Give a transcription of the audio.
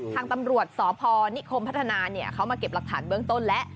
ทางตำรวจสพนิคมพัฒนาเขามาเก็บหลักฐานเบื้องต้นแล้ว